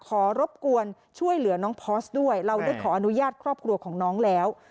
รบกวนช่วยเหลือน้องพอสด้วยเราได้ขออนุญาตครอบครัวของน้องแล้ว